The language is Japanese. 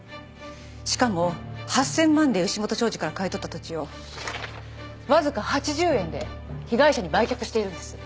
しかも８０００万で牛本商事から買い取った土地をわずか８０円で被害者に売却しているんです。